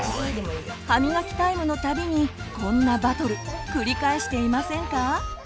歯みがきタイムのたびにこんなバトル繰り返していませんか？